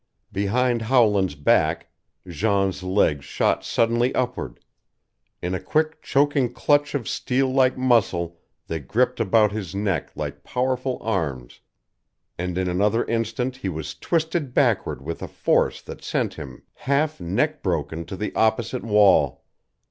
Behind Howland's back Jean's legs shot suddenly upward. In a quick choking clutch of steel like muscle they gripped about his neck like powerful arms and in another instant he was twisted backward with a force that sent him half neck broken to the opposite wall.